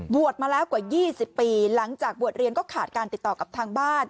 มาแล้วกว่า๒๐ปีหลังจากบวชเรียนก็ขาดการติดต่อกับทางบ้าน